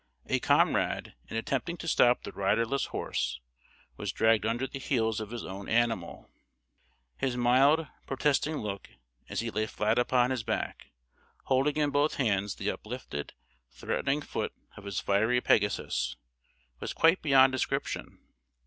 A comrade, in attempting to stop the riderless horse, was dragged under the heels of his own animal. His mild, protesting look, as he lay flat upon his back, holding in both hands the uplifted, threatening foot of his fiery Pegasus, was quite beyond description.